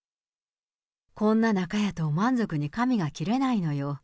こんな中やと、満足に髪が切れないのよ。